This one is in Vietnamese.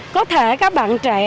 có thể các bạn trẻ